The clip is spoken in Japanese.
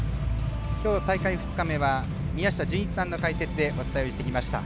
きょう大会２日目は宮下純一さんの解説でお伝えしてきました。